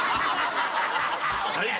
最高。